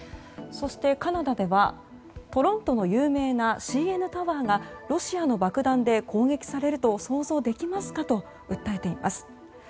そして、カナダではトロントの有名なＣＮタワーがロシアの爆弾で攻撃されると想像できますかと訴えています。